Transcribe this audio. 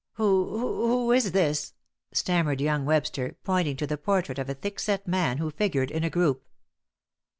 "Who who is this?" stammered young Webster, pointing to the portrait of a thick set man who figured in a group.